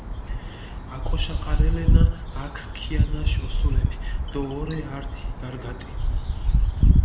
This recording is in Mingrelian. აკოშაყარელენა აქ ქიანაში ოსურეფი დო ორე ართი გარგატი.